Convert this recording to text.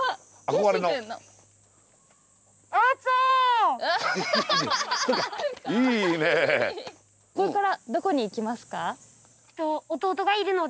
これからどこに行きますか？